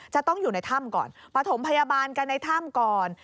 จะต้องอยู่ในถ้ำก่อนปฐมพยาบาลกันในถ้ำก่อน